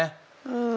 うん。